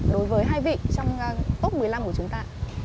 đối với hai vị trong top một mươi năm của chúng ta